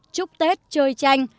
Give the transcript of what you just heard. chúc tết chơi tranh